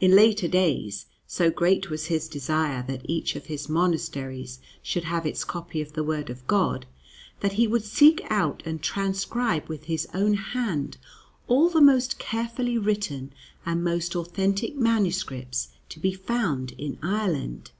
In later days, so great was his desire that each of his monasteries should have its copy of the Word of God, that he would seek out and transcribe with his own hand all the most carefully written and most authentic manuscripts to be found in Ireland.